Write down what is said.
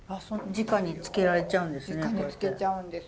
じかにつけちゃうんです。